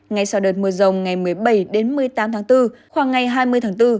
ngay sau đợt mưa rồng ngày một mươi bảy một mươi tám tháng bốn khoảng ngày hai mươi tháng bốn